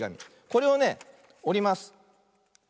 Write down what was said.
これをねおります。